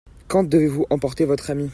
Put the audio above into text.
Quand devez-vous emporter votre ami ?